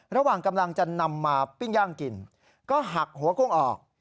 ระหว่างกำลังจะนำมาปิ้งย่างกินก็หักหัวกุ้งออก